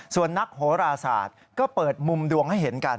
ส่วนนักโหราศาสตร์ก็เปิดมุมดวงให้เห็นกัน